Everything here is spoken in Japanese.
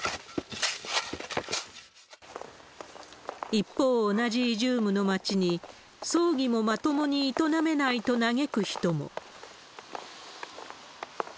一方、同じイジュームの町に、葬儀もまともに営めないと嘆く人も。